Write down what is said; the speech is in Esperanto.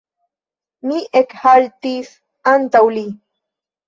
Mi ekhaltis antaŭ li.